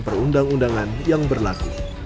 sesuai peraturan perundang undangan yang berlaku